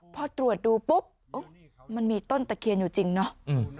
พอตรวจดูปุ๊บมันมีต้นตะเคียนอยู่จริงเนาะ